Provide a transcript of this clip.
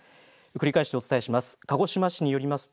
繰り返してお伝えします。